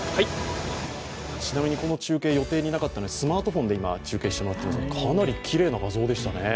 ちなみに、この中継は予定になかったので、スマートフォンで今、中継してもらっていますが、かなりきれいな画像でしたね。